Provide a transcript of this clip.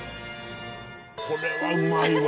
これはうまいわ。